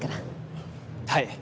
はい！